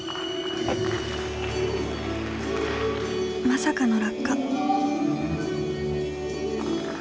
まさかの落下。